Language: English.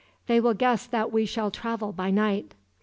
They will guess that we shall travel by night."